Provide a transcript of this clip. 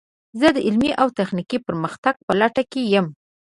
زه د علمي او تخنیکي پرمختګ په لټه کې یم.